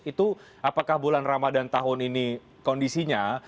itu apakah bulan ramadan tahun ini kondisinya